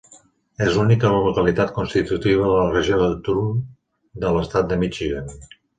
És l'única localitat constitutiva de la regió del Thumb de l'estat de Michigan.